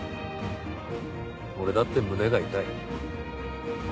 俺だって胸が痛い。